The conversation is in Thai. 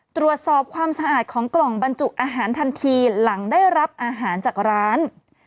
ตรวจสอบความสะอาดของกล่องบรรจุอาหารทันทีหลังได้รับอาหารจากร้าน